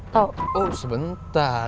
tau oh sebentar